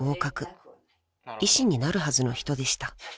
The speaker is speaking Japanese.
［医師になるはずの人でした］